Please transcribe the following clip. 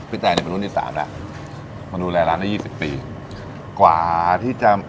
พี่แจนนี่เป็นรุ่นนี้๓แล้วรุนูรายร้านได้๒๐ปี